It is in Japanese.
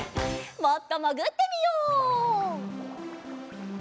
もっともぐってみよう。